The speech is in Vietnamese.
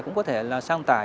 cũng có thể là sang tải